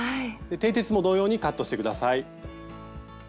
てい鉄も同様にカットして下さい。